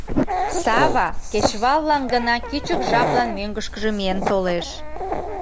Сава кечываллан гына кӱчык жаплан мӧҥгышкыжӧ миен толеш.